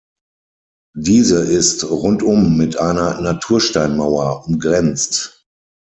Diese ist rundum mit einer Natursteinmauer umgrenzt.